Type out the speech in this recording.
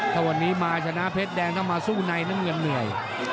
ถ้าวันนี้มาชนะเพชรแดงถ้ามาสู้ในน้ำเงินเหนื่อย